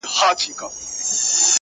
هر کور کي لږ غم شته او لږ چوپتيا,